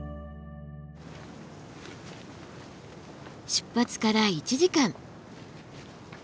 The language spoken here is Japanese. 出発から１時間。